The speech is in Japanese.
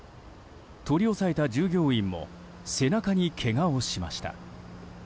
取り押さえた従業員も背中にけがをしました。